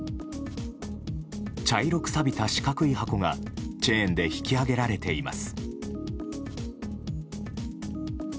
茶色くさびた四角い箱がチェーンで引き揚げられています。